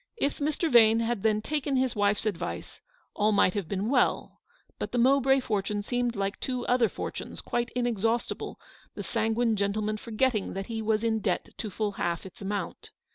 If Mr. Vane had then taken his wife's advice, all might have been well ; but the Mowbray for tune seemed like the two other fortunes, quite in exhaustible, the sanguine gentleman forgetting that he was in debt to full half its amount.